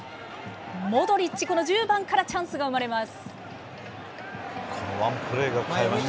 モドリッチ、１５番からチャンスが生まれます。